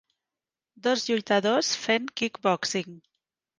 Dos lluitadors fent kickboxing.